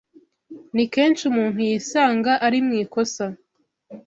Ni kenshi umuntu yisanga ari mu ikosa